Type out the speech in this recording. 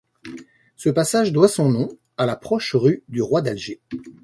Ce passage doit son nom à la proche rue du Roi-d'Alger.